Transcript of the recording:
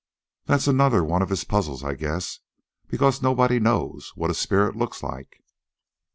"That's another one of his puzzles, I guess, because nobody knows what a spirit looks like."